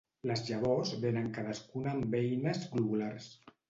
Les llavors vénen cadascuna en beines globulars.